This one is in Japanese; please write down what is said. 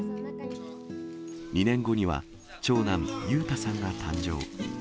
２年後には、長男、裕太さんが誕生。